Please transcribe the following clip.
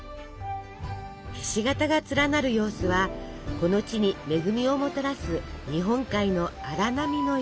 ひし形が連なる様子はこの地に恵みをもたらす日本海の荒波のよう。